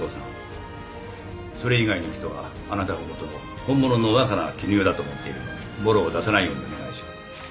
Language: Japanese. それ以外の人はあなたのことを本物の若菜絹代だと思っているのでぼろを出さないようにお願いします。